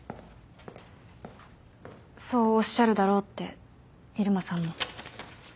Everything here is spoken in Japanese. そうおっしゃるだろうって入間さんも。